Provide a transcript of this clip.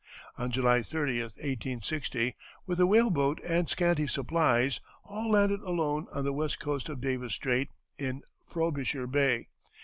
On July 30, 1860, with a whaleboat and scanty supplies, Hall landed alone on the west coast of Davis Strait, in Frobisher Bay.